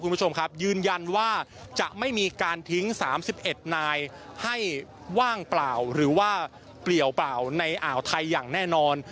คุณผู้ชมครับยืนยันว่าจะไม่มีการทิ้ง๓๑นายให้ว่างเปล่าหรือว่าเปลี่ยวเปล่าในอ่าวไทยอย่างแน่นอน